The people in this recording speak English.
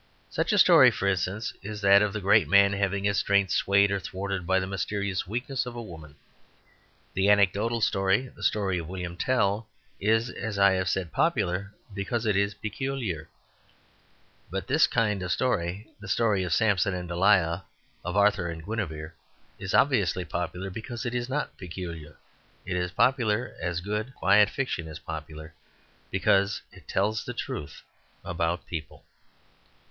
Such a story, for instance, is that of a great man having his strength swayed or thwarted by the mysterious weakness of a woman. The anecdotal story, the story of William Tell, is as I have said, popular, because it is peculiar. But this kind of story, the story of Samson and Delilah of Arthur and Guinevere, is obviously popular because it is not peculiar. It is popular as good, quiet fiction is popular, because it tells the truth about people.